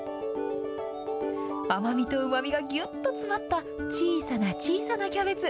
甘みとうまみがぎゅっと詰まった小さな小さなキャベツ。